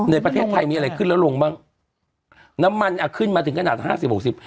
ในประเทศไทยมีอะไรขึ้นแล้วลงบ้างน้ำมันอ่ะขึ้นมาถึงขนาดห้าสิบหกสิบ